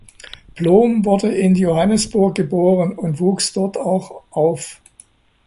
Bloom wurde in Johannesburg geboren und wuchs dort auch auf.